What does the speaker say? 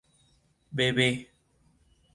Sitio de la Cultura.